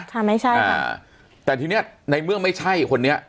ค่ะไม่ใช่ค่ะแต่ทีเนี้ยในเมื่อไม่ใช่คนนี้